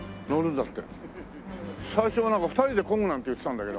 最初はなんか２人でこぐなんて言ってたんだけど。